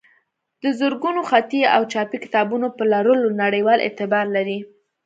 د زرګونو خطي او چاپي کتابونو په لرلو نړیوال اعتبار لري.